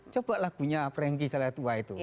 coba lagunya prangki salatuwa itu